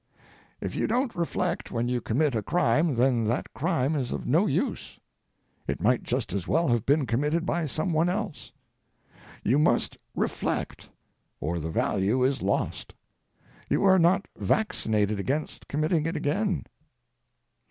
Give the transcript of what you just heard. If you don't reflect when you commit a crime then that crime is of no use; it might just as well have been committed by some one else: You must reflect or the value is lost; you are not vaccinated against committing it again.